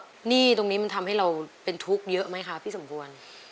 หนี้ตรงนี้มันทำให้เราเป็นทุกข์เยอะไหมคะพี่สมควร